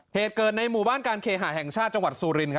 เกิดเกินมู่บ้านการเขหาแห่งชาติจังหวัดซู่ลิน